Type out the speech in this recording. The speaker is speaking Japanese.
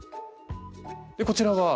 こちらは？